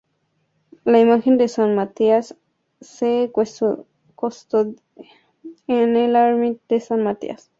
La imagen de San Matías se custodia en la ermita de San Matías.